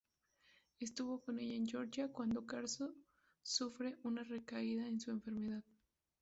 Estuvo con ella en Georgia cuando Carson sufre una recaída en su enfermedad.